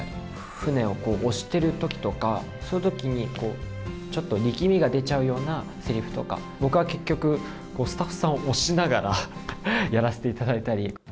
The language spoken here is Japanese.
船を押してるときとか、そういうときに、ちょっと力みが出ちゃうようなせりふとか、僕は結局、スタッフさんを押しながら、やらせていただいたり。